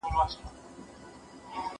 زه پرون مېوې خورم